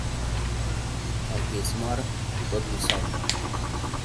Al qui es mor, tot li sobra.